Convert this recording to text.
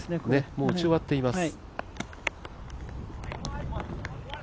もう打ち終わっています。